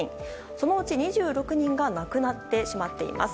そのうち２６人が亡くなってしまっています。